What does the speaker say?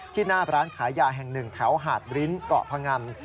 หน้าร้านขายยาแห่งหนึ่งแถวหาดริ้นเกาะพงัน